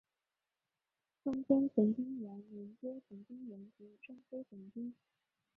中间神经元连接神经元及中枢神经。